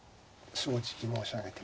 正直申し上げて。